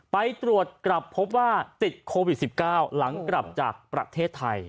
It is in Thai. ไปตรวจกลับพบว่าติดโควิด๑๙หลังกลับจากประเทศไทย